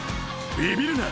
ビビるな。